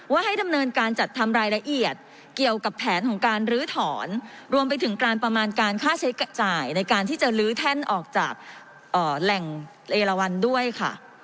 ให้ดำเนินการจัดทำรายละเอียดเกี่ยวกับแผนของการลื้อถอนรวมไปถึงการประมาณการค่าใช้จ่ายในการที่จะลื้อแท่นออกจากแหล่งเอลวันด้วยค่ะ